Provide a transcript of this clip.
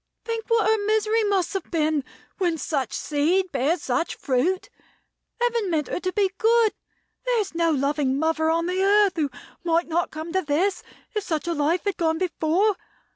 Think what her misery must have been, when such seed bears such fruit. Heaven meant her to be good. There is no loving mother on the earth who might not come to this, if such a life had gone before.